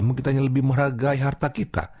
mungkin kita lebih menghargai harta kita